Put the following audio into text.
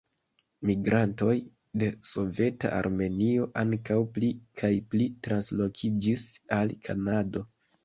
Migrantoj de soveta Armenio ankaŭ pli kaj pli translokiĝis al Kanado.